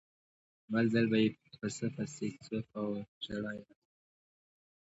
بل ځل به یې پسه پسې څو کاوه ژړا یې راتله.